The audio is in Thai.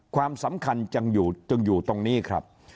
ความสำคัญจึงอยู่ตรงนี้ครับ